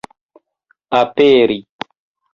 aperi